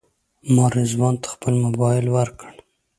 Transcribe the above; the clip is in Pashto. ما رضوان ته خپل موبایل ورکړ.